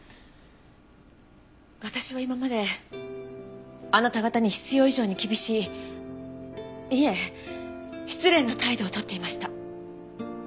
私は今まであなた方に必要以上に厳しいいえ失礼な態度を取っていました。